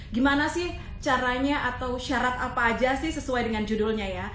gimana sih caranya atau syarat apa aja sih sesuai dengan judulnya ya